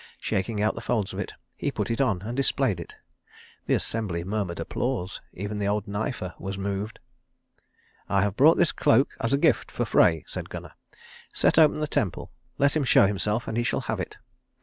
Shaking out the folds of it, he put it on and displayed it. The assembly murmured applause; even the old knifer was moved. "I have brought this cloak as a gift for Frey," said Gunnar. "Set open the temple; let him show himself and he shall have it.